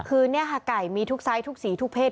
คือนี่ค่ะไก่มีทุกไซส์ทุกสีทุกเศษ